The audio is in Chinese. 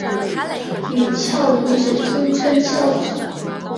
与鞘磷脂通称鞘脂。